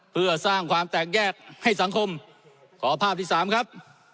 เพื่อสร้างความแตกแยกให้สังคมขอภาพที่สามครับ